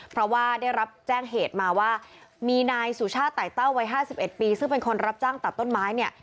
เพราะว่าได้รับแจ้งเหตุมาว่ามีนายสุชาติไตเต้าวัย๕๑ปีซึ่งเป็นคนรับจ้างตัดต้นไม้เนี่ย